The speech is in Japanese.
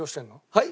はい？